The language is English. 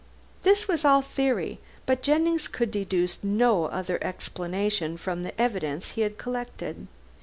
This was all theory, but Jennings could deduce no other explanation from the evidence he had collected.